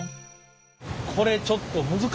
これちょっと難しいですね